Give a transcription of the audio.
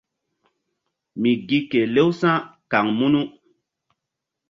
Mi gi kelew sa̧ kaŋ munu.